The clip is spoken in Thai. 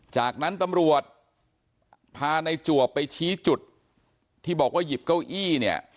จากนั้นตำรวจพาในจวบไปชี้จุดที่บอกว่าหยิบเก้าอี้เนี่ย